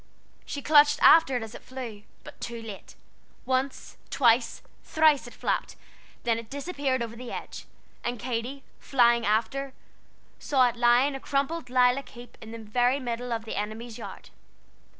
She clutched after it as it flew, but too late. Once, twice, thrice, it flapped, then it disappeared over the edge, and Katy, flying after, saw it lying a crumpled lilac heap in the very middle of the enemy's yard.